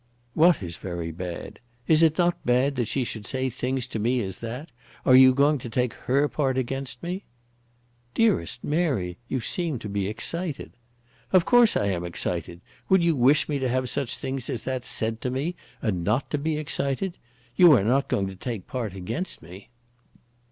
"What is very bad. Is it not bad that she should say such things to me as that? Are you going to take her part against me?" "Dearest Mary, you seem to be excited." "Of course I am excited. Would you wish me to have such things as that said to me, and not to be excited? You are not going to take part against me?"